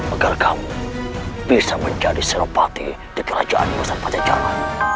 agar kamu bisa menjadi seropati di kerajaan masyarakat jawa